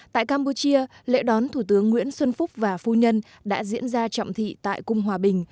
tại campuchia lễ đón thủ tướng nguyễn xuân phúc và phu nhân đã diễn ra trọng thị tại cung hòa bình